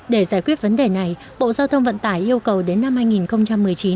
để giải quyết vấn đề này bộ giao thông vận tải yêu cầu đến năm hai nghìn một mươi chín